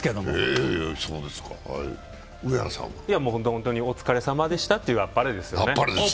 本当にお疲れさまでしたというあっぱれですよね。